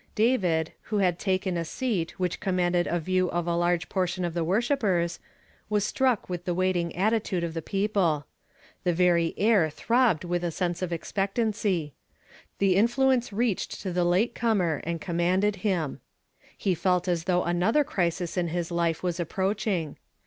David, who had taken a seat which commanded a view of a large portion of the worshippers, was struck with the \\aiting at titude of the people. The very air throbbed with a sense of expectancy. The influence reached to the late comer and connnanded him. He felt as though another crisis in his life was approach ing.